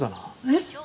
えっ？